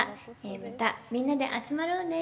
また、みんなで集まろうね！